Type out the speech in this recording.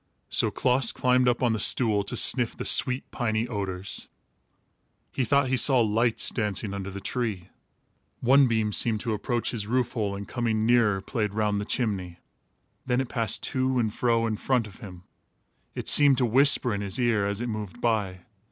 So Klaas climbed up on the stool to sniff the sweet piny odors. He thought he saw lights dancing under the tree. One beam seemed to approach his roof hole, and coming nearer played round the chimney. Then it passed to and fro in front of him. It seemed to whisper in his ear, as it moved by.